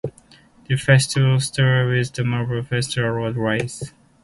The festivities start with the Marble Festival Road Race.